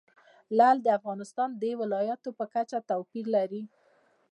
لعل د افغانستان د ولایاتو په کچه توپیر لري.